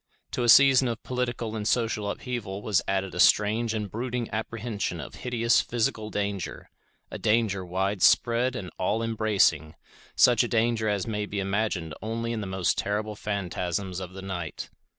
To a season of political and social upheaval was added a strange and brooding apprehension of hideous physical danger; a danger widespread and all embracing, such a danger as may be imagined only in the most terrible phantasms of the night.